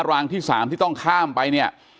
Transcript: รางที่๓ที่ต้องข้ามไปเนี่ย